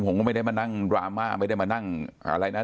ผมก็ไม่ได้มานั่งดราม่าไม่ได้มานั่งอะไรนะ